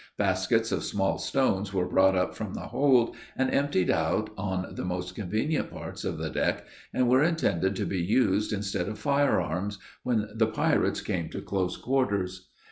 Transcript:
Baskets of small stones were brought up from the hold, and emptied out on the most convenient parts of the deck, and were intended to be used instead of fire arms, when the pirates came to close quarters.